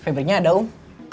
febernya ada um